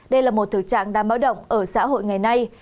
đây là một thực trạng đang báo động ở xã hội ngày nay